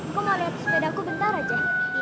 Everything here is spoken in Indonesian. gue mau liat sepeda ku bentar aja